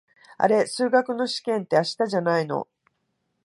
あれ、数学の試験って明日じゃないの？